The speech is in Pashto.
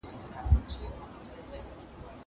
زه اوږده وخت لیکل کوم.